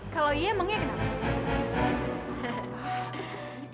kalau iya emangnya kenapa